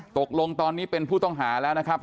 ตกลงตอนนี้เป็นผู้ต้องหาแล้วนะครับ